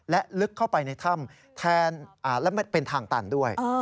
และลึกเข้าไปในถ้ำแทนและเป็นทางตันด้วย